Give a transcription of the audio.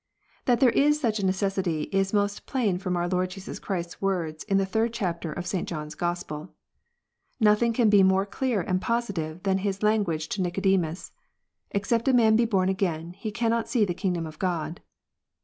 That there is such a necessity is most plain from our Lord Jesus Christ s words in the third chapter of St. John s Gospel. Xothing can be more clear and positive than His language to >* Xicodemus :" Except a man be born again, he cannot see the \ kingdom of God."